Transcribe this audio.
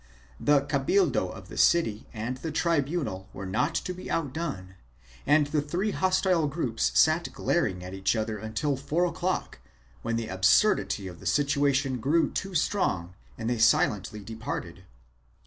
The cabildo of the city and the tribunal were not to be outdone and the three hostile groups sat glaring at each other until four o'clock, when the absurdity of the situation grew too strong and they silently departed.